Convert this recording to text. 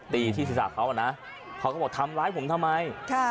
ตีที่ศีรษะเขาอ่ะนะเขาก็บอกทำร้ายผมทำไม